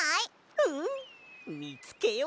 うんみつけよう。